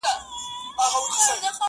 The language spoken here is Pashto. د ظالم لور.